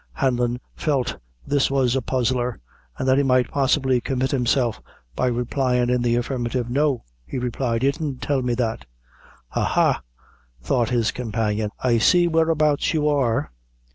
Hanlon felt this was a puzzler, and that he might possibly commit himself by replying in the affirmative. "No," he replied, "he didn't tell me that." "Ah, ha!" thought his companion, "I see whereabouts you are."